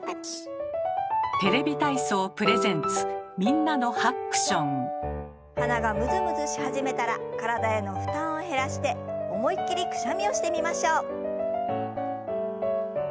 「テレビ体操」プレゼンツ鼻がムズムズし始めたら体への負担を減らして思いっきりくしゃみをしてみましょう。